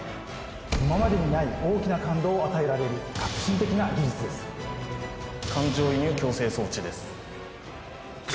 今までにない大きな感動を与えられるですです